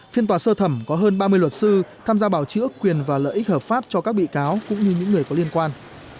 phiên tòa sơ thẩm có hơn ba mươi luật sư tham gia bào chữa quyền và lợi ích hợp pháp cho các bị cáo cũng như những người có liên quan